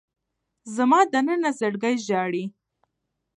زما دننه زړګی ژاړي